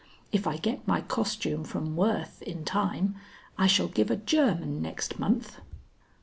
If I get my costume from Worth in time, I shall give a German next month."